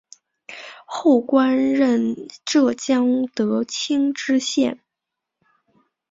后官任浙江德清知县。